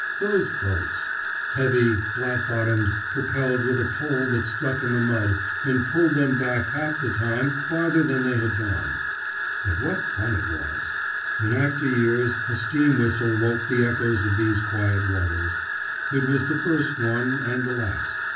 Those boats! heavy, flat bottomed, propelled with a pole that stuck in the mud and pulled them back half the time farther than they had gone. But what fun it was! In after years a steam whistle woke the echoes of these quiet waters. It was the first one, and the last.